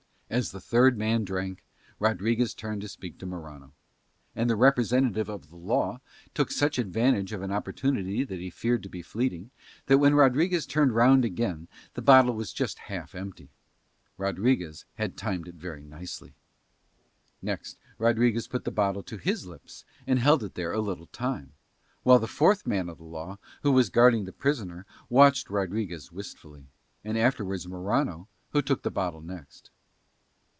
As the third man drank, Rodriguez turned to speak to Morano; and the representative of the law took such advantage of an opportunity that he feared to be fleeting, that when Rodriguez turned round again the bottle was just half empty. Rodriguez had timed it very nicely. Next Rodriguez put the bottle to his lips and held it there a little time, while the fourth man of the law, who was guarding the prisoner, watched Rodriguez wistfully, and afterwards Morano, who took the bottle next.